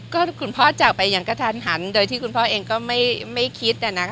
ก็คุณพ่อจากไปอย่างกระทันหันโดยที่คุณพ่อเองก็ไม่คิด